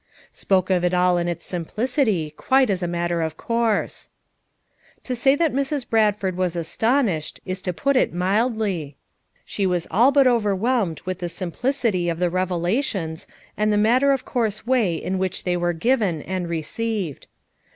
Spoke of it all in its simplicity, quite as a mat ter of course. To say that Mrs. Bradford was astonished is 300 FOUR MOTHERS AT CHAUTAUQUA to put it mildly. She was all but overwhelmed with the simplicity of the revelations and the matter of course way in which they were given and received.